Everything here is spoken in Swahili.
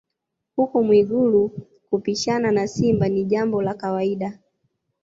Huko Mwigulu kupishana na simba ni jambo la kawaida